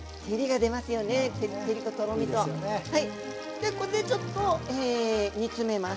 でこれでちょっと煮詰めます。